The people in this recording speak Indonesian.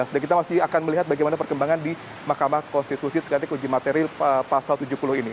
dan kita masih akan melihat bagaimana perkembangan di mahkamah konstitusi terkait uji materi pasal tujuh puluh ini